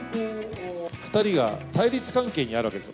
２人が対立関係にあるわけですよ。